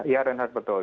ya renhard betul